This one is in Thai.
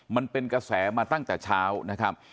มันเป็นกระแสมาตั้งแต่เช้านะครับ